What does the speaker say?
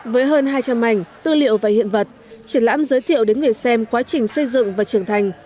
với hơn hai trăm linh ảnh tư liệu và hiện vật triển lãm giới thiệu đến người xem quá trình xây dựng và trưởng thành